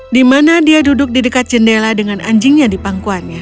di mana dia duduk di dekat jendela dengan anjingnya di pangkuannya